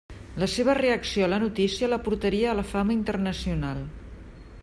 La seva reacció a la notícia la portaria a la fama internacional.